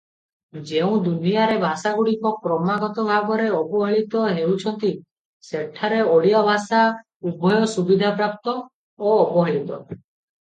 ଯେଉଁ ଦୁନିଆରେ ଭାଷାଗୁଡ଼ିକ କ୍ରମାଗତ ଭାବରେ ଅବହେଳିତ ହେଉଛନ୍ତି ସେଠାରେ ଓଡ଼ିଆ ଭାଷା ଉଭୟ ସୁବିଧାପ୍ରାପ୍ତ ଓ ଅବହେଳିତ ।